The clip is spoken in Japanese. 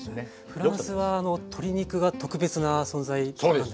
フランスは鶏肉が特別な存在なんですか？